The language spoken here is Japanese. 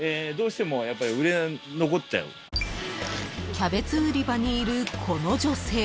［キャベツ売り場にいるこの女性］